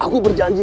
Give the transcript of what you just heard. kau harus berjanji